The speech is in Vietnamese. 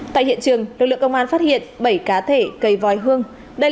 tại hiện trường lực lượng công an phát hiện bảy cá thể cây vòi hương